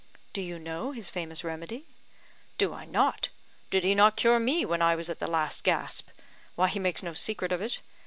"Do you know his famous remedy?" "Do I not? Did he not cure me when I was at the last gasp? Why, he makes no secret of it.